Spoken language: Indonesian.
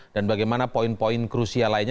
dan bagaimana poin poin krusial lainnya